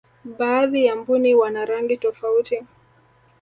baadhi ya mbuni wana rangi tofauti